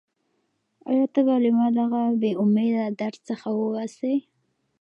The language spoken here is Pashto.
ایا ته به ما له دغه بېامیده درد څخه وباسې؟